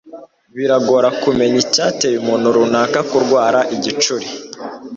biragora Kumenya icyateye umuntu runaka kurwara igicuri